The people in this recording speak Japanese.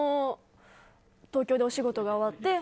東京でお仕事が終わって